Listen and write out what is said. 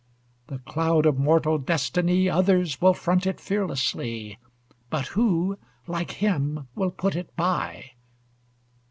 The cloud of mortal destiny, Others will front it fearlessly But who, like him, will put it by?